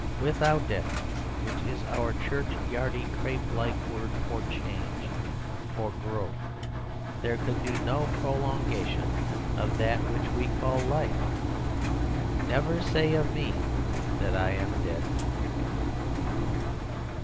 Without death, which is our church yardy crape like word for change, for growth, there could be no prolongation of that which we call life. Never say of me that I am dead."